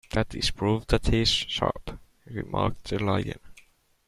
"That is proof that he is sharp," remarked the Lion.